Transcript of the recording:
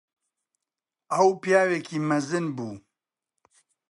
ئەو پیاوێکی مەزن بوو.